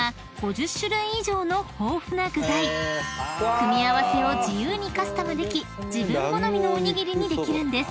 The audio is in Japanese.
［組み合わせを自由にカスタムでき自分好みのおにぎりにできるんです］